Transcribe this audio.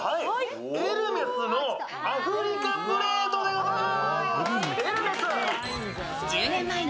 エルメスのアフリカプレートでございます。